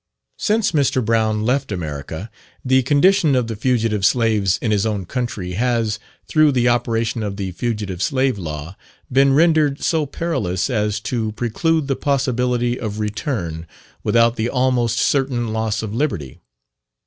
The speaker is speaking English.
Since Mr. Brown left America, the condition of the fugitive slaves in his own country has, through the operation of the Fugitive Slave Law, been rendered so perilous as to preclude the possibility of return without the almost certain loss of liberty.